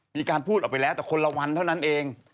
มีการพูดออกไปแล้วแต่คนละวันเท่านั้นเอง